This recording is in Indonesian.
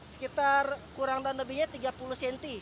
sekitar kurang dan lebihnya tiga puluh cm